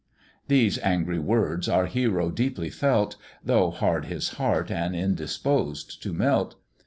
These angry words our hero deeply felt, Though hard his heart, and indisposed to melt!